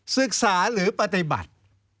ศึกษาหรือปฏิบัติ